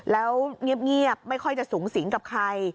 แล้วเงียบไม่ค่อยจะสูงสิงกับใคร